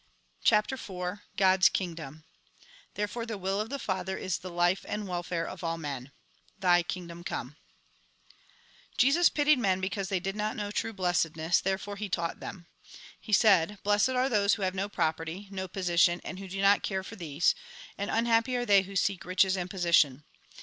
CHAPTEE IV GODS KINGDOM Therefore the will of the Father is the life and welfare of all men ("ttbB ftingaom come") Jesus pitied men because they did not know true blessedness ; therefore he taught them. He said :" Blessed ai e those who have no property, no position, and who do not care for these ; and un happy are they who seek riches and position.